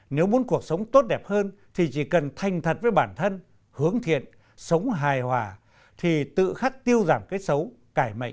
nếu muốn cuộc sống tốt đẹp hơn thì chỉ cần thành thật với bản thân hướng thiện sống hài hòa thì tự khắc tiêu giảm cái xấu cải mệnh